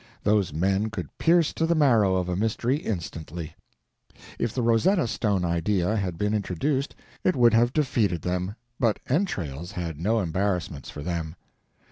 Those men could pierce to the marrow of a mystery instantly. If the Rosetta stone idea had been introduced it would have defeated them, but entrails had no embarrassments for them.